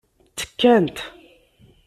Ttekkant.